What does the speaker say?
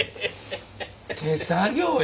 手作業よ